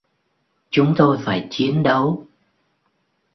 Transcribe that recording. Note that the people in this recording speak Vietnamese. chúng tôi phải chiến đấu